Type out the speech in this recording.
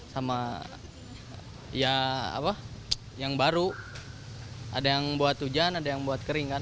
sama yang baru ada yang buat hujan ada yang buat keringan